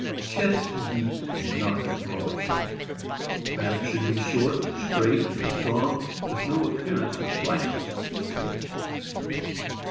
Chest deep and not broad. Back should be short, straight, and strong, with no appearance of slackness.